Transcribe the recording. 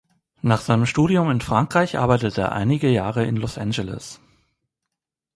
Nach seinem Studium in Frankreich arbeitete er einige Jahre in Los Angeles.